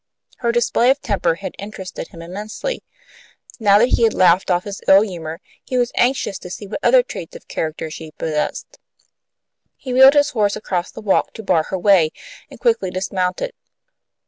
Her display of temper had interested him immensely. Now that he had laughed off his ill humour, he was anxious to see what other traits of character she possessed. He wheeled his horse across the walk to bar her way, and quickly dismounted.